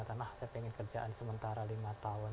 saya ingin kerjaan sementara lima tahun